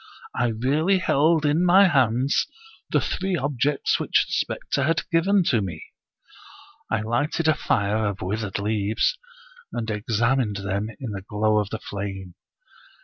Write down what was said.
I really held in my hands the three objects which the specter had given to me 1 I lighted a fire of withered leaves, and examined them in the glow of the flame.